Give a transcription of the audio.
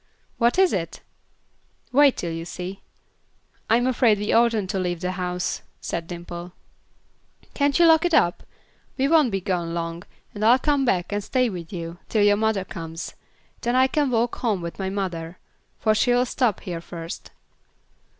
"What is it?" "Wait till you see." "I'm afraid we oughtn't to leave the house," said Dimple. "Can't you lock it up? We won't be gone long, and I'll come back and stay with you till your mother comes. Then I can walk home with my mother, for she'll stop here first."